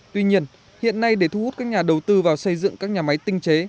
tuy nhiên hiện nay để thu hút các nhà đầu tư vào xây dựng các nhà máy tinh chế